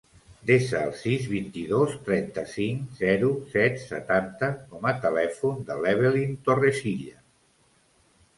Desa el sis, vint-i-dos, trenta-cinc, zero, set, setanta com a telèfon de l'Evelyn Torrecilla.